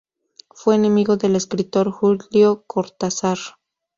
Fue amigo del escritor Julio Cortázar.